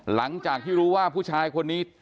หลังจากที่รู้ว่าผู้ชายคนนี้